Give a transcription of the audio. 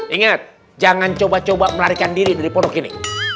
ingat jangan coba coba melarikan diri dari pondok ini